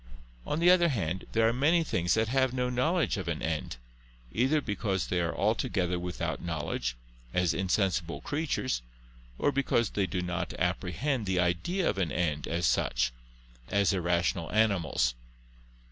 On the other hand, there are many things that have no knowledge of an end; either because they are altogether without knowledge, as insensible creatures: or because they do not apprehend the idea of an end as such, as irrational animals.